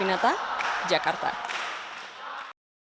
pertandingan cabang olahraga pencaksilat di asia tenggara